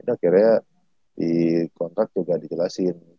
akhirnya di kontrak juga dijelasin